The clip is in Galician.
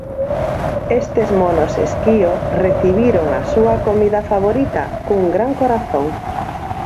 Estes monos esquío recibiron a súa comida favorita cun gran corazón.